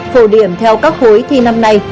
phổ điểm theo các khối thi năm nay